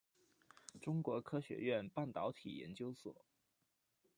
中国科学院半导体研究所。